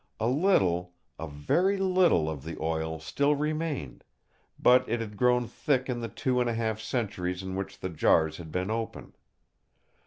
A little—a very little of the oil still remained, but it had grown thick in the two and a half centuries in which the jars had been open.